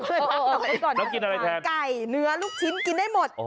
ตอบก่อนแล้วกินอะไรแทนไก่เนื้อลูกชิ้นกินได้หมด